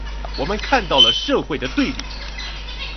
我們看到了社會的對立